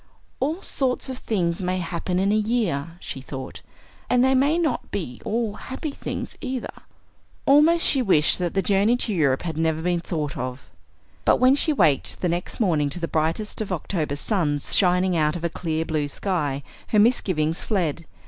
"All sorts of things may happen in a year," she thought, "and they may not be all happy things, either." Almost she wished that the journey to Europe had never been thought of! But when she waked the next morning to the brightest of October suns shining out of a clear blue sky, her misgivings fled.